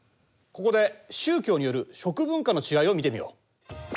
ここで宗教による食文化の違いを見てみよう。